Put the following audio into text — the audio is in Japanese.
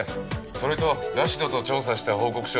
それとラシドと調査した報告書